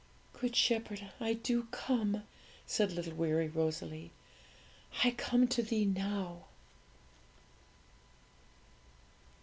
'Good Shepherd, I do come,' said little weary Rosalie; 'I come to Thee now!'